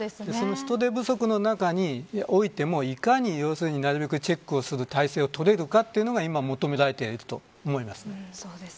人手不足の中においてもいかに、なるべくチェックをする体制を取れるかというのが今、求められていると思います。